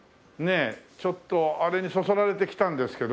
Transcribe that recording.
ちょっとあれにそそられて来たんですけど。